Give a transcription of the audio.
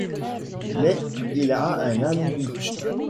Mais il a un alibi.